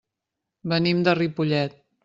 Venim de Ripollet.